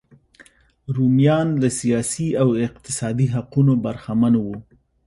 رومیان له سیاسي او اقتصادي حقونو برخمن وو.